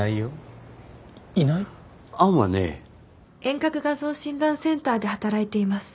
遠隔画像診断センターで働いています。